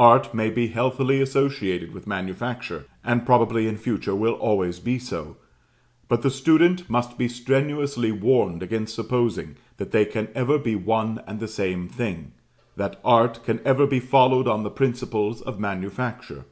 Art may be healthily associated with manufacture, and probably in future will always be so; but the student must be strenuously warned against supposing that they can ever be one and the same thing, that art can ever be followed on the principles of manufacture.